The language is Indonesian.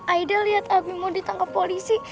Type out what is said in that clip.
aida liat abi mau ditangkap polisi